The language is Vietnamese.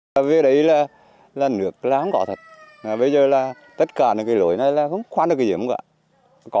từ một mươi năm trước gia đình của ông nguyễn phúc